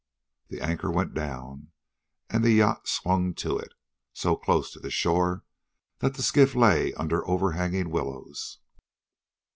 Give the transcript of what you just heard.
The anchor went down, and the yacht swung to it, so close to shore that the skiff lay under overhanging willows.